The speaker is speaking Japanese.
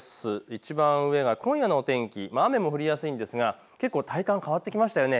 いちばん上が今夜のお天気雨が降りやすいですが結構体感が変わってきましたよね。